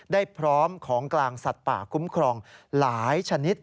พร้อมของกลางสัตว์ป่าคุ้มครองหลายชนิด